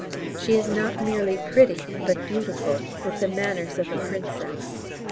She is not merely pretty, but beautiful, with the manners of a princess!